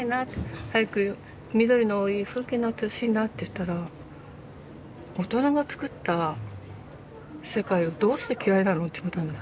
早く緑の多い風景になってほしいな」って言ったら「大人がつくった世界をどうして嫌いなの？」って言われたんです。